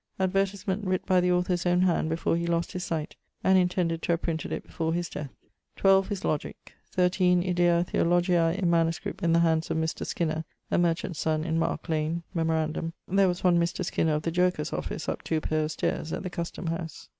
Advertisement: 'writt by the author's owne hand before he lost his sight and intended to have printed it before his death.' 12. His logick. 13. Idea Theologiae in MS. in the handes of Mr. Skinner, a merchant's sonne, in Marke lane. Memorandum there was one Mr. Skinner of the Jerkers office up 2 paire of stayres at the Custome house.